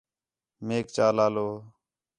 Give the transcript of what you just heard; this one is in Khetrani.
میک چا لالو